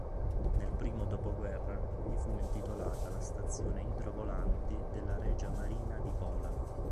Nel primo dopoguerra gli fu intitolata la Stazione Idrovolanti della Regia Marina di Pola.